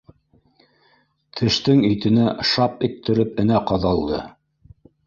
Тештең итенә шап иттереп энә ҡаҙалды.